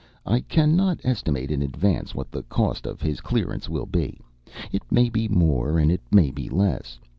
"I cannot estimate in advance what the cost of his clearance will be. It may be more, and it may be less.